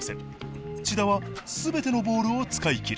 千田はすべてのボールを使い切る。